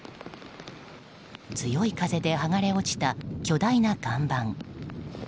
強い風で剥がれ落ちた巨大な看板。